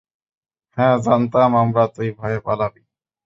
হ্যাঁ, জানতাম আমরা, তুই ভয়ে পালাবি।